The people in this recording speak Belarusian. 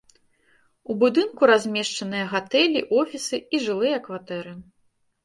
У будынку размешчаныя гатэлі, офісы і жылыя кватэры.